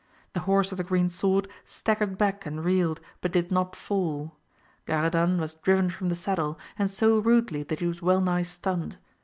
The horse of the green sword staggered back and reeled, but did not fall ; Garadan was driven from the saddle, and so rudely that he was well nigh stunned.